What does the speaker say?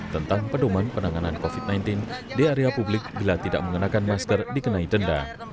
tentang pedoman penanganan covid sembilan belas di area publik bila tidak mengenakan masker dikenai denda